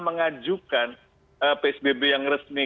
mengajukan psbb yang resmi